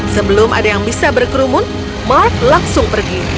sebelum ada yang bisa berkerumun mark langsung pergi